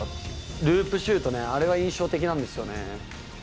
ループシュートね、あれは印象的なんですよね。